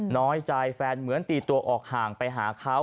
น้อยใจแฟนเหมือนตีตัวออกห่างไปหาเขา